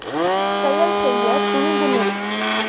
செயல் செய்யத் துணிந்து நில்!